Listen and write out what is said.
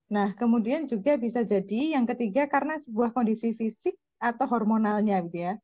nah kemudian juga bisa jadi yang ketiga karena sebuah kondisi fisik atau hormonalnya